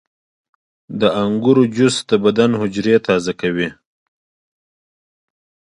• د انګورو جوس د بدن حجرې تازه کوي.